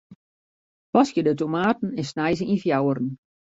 Waskje de tomaten en snij se yn fjouweren.